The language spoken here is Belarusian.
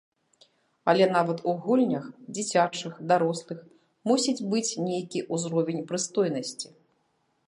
Але нават у гульнях, дзіцячых, дарослых, мусіць быць нейкі ўзровень прыстойнасці.